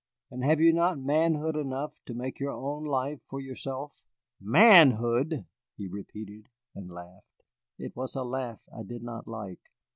And have you not manhood enough to make your own life for yourself?" "Manhood!" he repeated, and laughed. It was a laugh that I did not like.